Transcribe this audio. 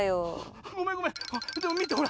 ごめんごめんでもみてほら。